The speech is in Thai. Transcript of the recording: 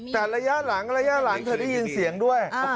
แต่ระยะหลังระยะหลังเธอได้ยินเสียงด้วย